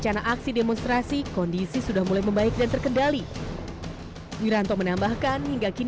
nah itu kan tidak bisa kita menyebutkan itu